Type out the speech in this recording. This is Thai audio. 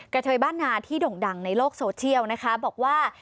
เทยบ้านนาที่ด่งดังในโลกโซเชียลนะคะบอกว่า